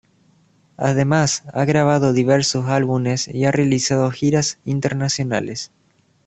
Además ha grabado diversos álbumes y ha realizado giras internacionales.